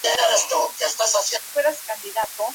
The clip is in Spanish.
Antti Haase en illume.fi